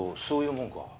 そういうもんか。